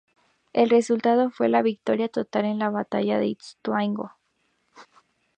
El resultado fue la victoria total en la batalla de Ituzaingó.